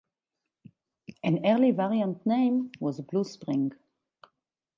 An early variant name was "Blue Spring".